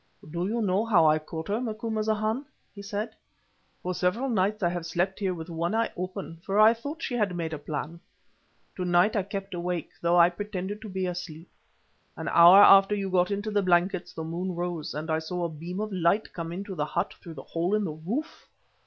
"Do you know how I caught her, Macumazahn?" he said. "For several nights I have slept here with one eye open, for I thought she had made a plan. To night I kept wide awake, though I pretended to be asleep. An hour after you got into the blankets the moon rose, and I saw a beam of light come into the hut through the hole in the roof.